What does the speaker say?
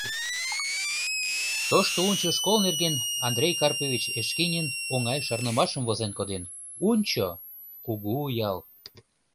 Тошто Унчо школ нерген Андрей Карпович Эшкинин оҥай шарнымашым возен коден: «Унчо — кугу ял.